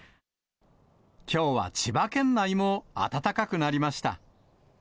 きょうは千葉県内も暖かくなりました。